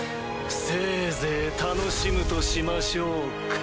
せいぜい楽しむとしましょうか。